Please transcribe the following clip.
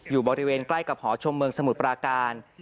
อยู่บริเวณใกล้กับหอชมเมืองสมุทรปราการ